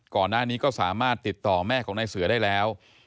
ก่อนหน้านี้ก็สามารถติดต่อแม่ของนายเสือได้แล้ว